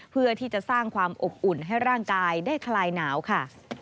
เพื่อที่จะสร้างความอบอุ่นให้ร่างกายได้คลายหนาวค่ะ